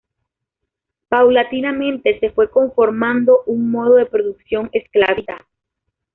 Paulatinamente se fue conformando un modo de producción esclavista.